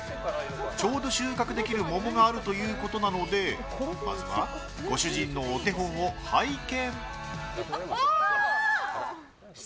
ちょうど収穫できるモモがあるということでまずは、ご主人のお手本を拝見。